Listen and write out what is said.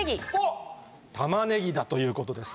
玉ねぎだということです。